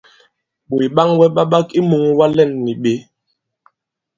Ɓòt ɓaŋwɛ ɓa ɓak i mūŋwa lɛ᷇n nì ɓě?